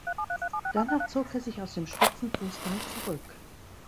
Danach zog er sich aus dem Spitzenfußball zurück.